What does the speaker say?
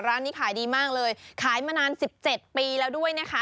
ร้านนี้ขายดีมากเลยขายมานาน๑๗ปีแล้วด้วยนะคะ